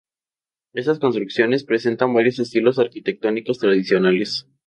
Estas construcciones presentan varios estilos arquitectónicos tradicionales.